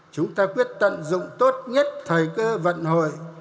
chúng ta quyết tận dụng tốt nhất thời cơ vận hội